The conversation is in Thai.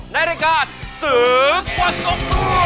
ในรายการสื่อประสงค์ตัว